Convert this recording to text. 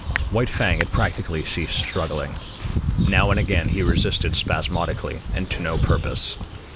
White Fang had practically ceased struggling. Now and again he resisted spasmodically and to no purpose.